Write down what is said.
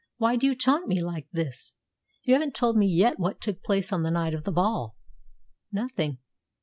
"Why do you taunt me like this? You haven't told me yet what took place on the night of the ball." "Nothing.